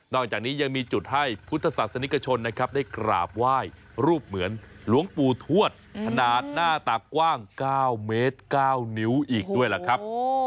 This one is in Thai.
จากนี้ยังมีจุดให้พุทธศาสนิกชนนะครับได้กราบไหว้รูปเหมือนหลวงปู่ทวดขนาดหน้าตากว้าง๙เมตร๙นิ้วอีกด้วยล่ะครับ